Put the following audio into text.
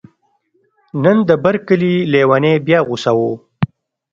نن د بر کلي لیونی بیا غوسه و